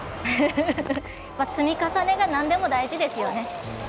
積み重ねがなんでも大事ですよね。